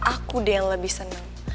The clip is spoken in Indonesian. aku deh yang lebih senang